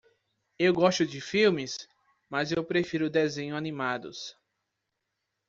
Eu gosto de filmes?, mas eu prefiro desenhos animados.